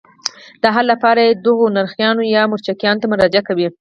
د حل لپاره یې دغو نرخیانو یا مرکچیانو ته مراجعه کوي.